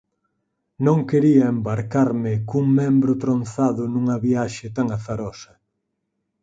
Non quería embarcarme cun membro tronzado nunha viaxe tan azarosa.